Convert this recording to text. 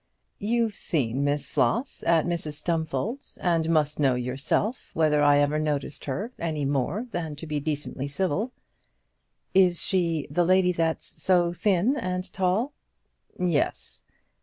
"You've seen Miss Floss at Mrs Stumfold's, and must know yourself whether I ever noticed her any more than to be decently civil." "Is she the lady that's so thin and tall?" "Yes."